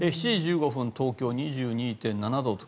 ７時１５分東京、２２．７度と。